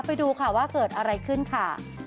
ไปดูค่ะว่าเกิดอะไรขึ้นค่ะ